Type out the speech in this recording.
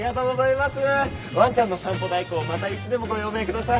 ワンちゃんの散歩代行またいつでもご用命ください。